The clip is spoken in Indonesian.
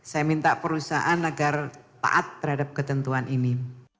saya minta perusahaan agar taat terhadap ketentuan ini